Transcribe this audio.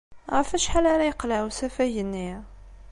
Ɣef wacḥal ara yeqleɛ usafag-nni?